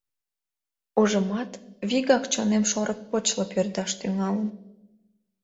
Ужымат, вигак чонем шорык почла пӧрдаш тӱҥалын.